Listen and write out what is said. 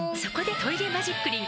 「トイレマジックリン」